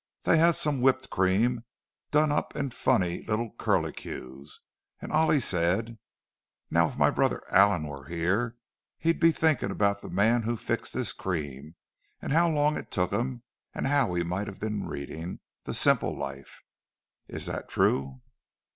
They had some whipped cream done up in funny little curliques, and Ollie said, 'Now, if my brother Allan were here, he'd be thinking about the man who fixed this cream, and how long it took him, and how he might have been reading 'The Simple Life.' Is that true?"